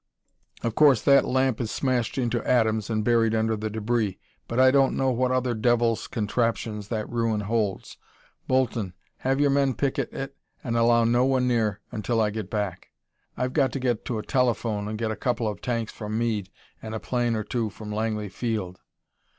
Of course, that lamp is smashed into atoms and buried under the debris, but I don't know what other devil's contraptions that ruin holds. Bolton, have your men picket it and allow no one near until I get back. I've got to get to a telephone and get a couple of tanks from Meade and a plane or two from Langley Field."